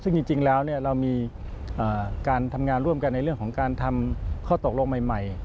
ซึ่งจริงแล้วเรามีการทำงานร่วมกันในเรื่องของการทำข้อตกลงใหม่